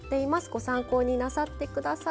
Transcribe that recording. ご参考になさってください。